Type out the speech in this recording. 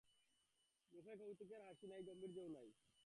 মুখে কৌতুকের হাসি নাই, গাম্ভীর্যও নাই।